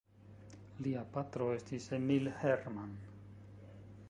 Lia patro estis Emil Herrmann.